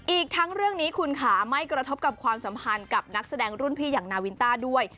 อีกทั้งเรื่องนี้คุณค่ะไม่กระทบกับความสัมพันธ์กับนักแสดงรุ่นพี่อย่างนาวินต้าด้วย